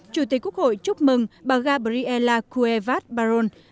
chủ tịch quốc hội chúc mừng bà gabriela keuvat baron